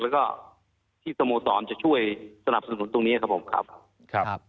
แล้วก็ที่สโมสรจะช่วยสนับสนุนตรงนี้ครับผมครับครับ